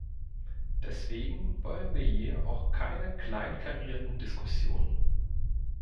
Deswegen wollen wir hier auch keine kleinkarierten Diskussionen.